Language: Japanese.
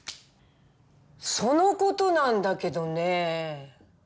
その事なんだけどね。